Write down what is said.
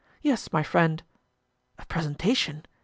"Yes, my friend." "A presentation?